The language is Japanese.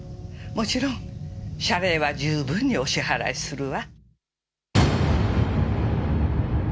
もちろん謝礼は十分にお支払いするわ。